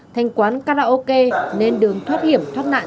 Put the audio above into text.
thành quán karaoke nên đường thoát hiểm thoát nạn